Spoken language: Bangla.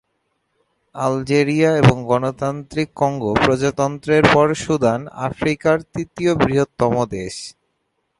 আলজেরিয়া এবং গণতান্ত্রিক কঙ্গো প্রজাতন্ত্রের পর সুদান আফ্রিকার তৃতীয় বৃহত্তম দেশ।